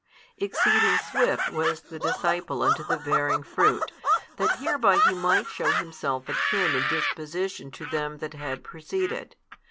Exceeding swift was the disciple unto the bearing fruit, that hereby he might shew himself akin in disposition to them that had preceded.